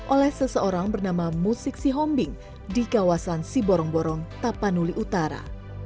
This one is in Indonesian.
oleh seseorang bernama musik sihombing di kawasan siborongborong tapanuli utara